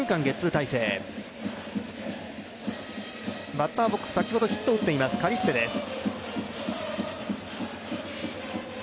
バッターボックス先ほどヒットを打っています、カリステです。